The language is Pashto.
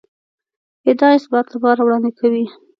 ادعا اثبات لپاره وړاندې کوي.